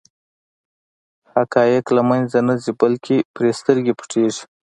حقایق له منځه نه ځي بلکې پرې سترګې پټېږي.